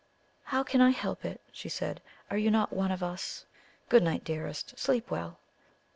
"How can I help it?" she said. "Are you not one of us? Good night, dearest! Sleep well!"